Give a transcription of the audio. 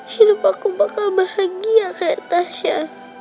hidup aku bakal bahagia kayak tasya